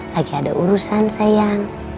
lagi ada urusan sayang